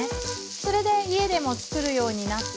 それで家でも作るようになって。